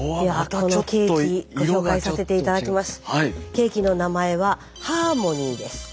ケーキの名前はハーモニーです。